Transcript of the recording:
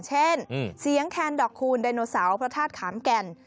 เช่นเสียงแคนดอกคูณไดโนเสาร์พระธาตุขามแก่น